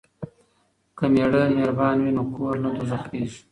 که میړه مهربان وي نو کور نه دوزخ کیږي.